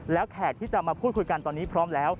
แล้วแขกที่จะมาพูดคุยกันตอนนี้พร้อมแล้ว